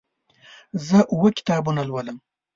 زه اوه کتابونه لولم.